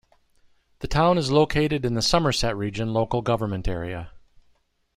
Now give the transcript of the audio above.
The town is located in the Somerset Region local government area.